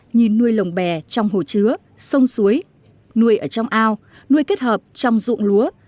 như nuôi lồng bè trong hồ chứa sông suối nuôi ở trong ao nuôi kết hợp trong dụng lúa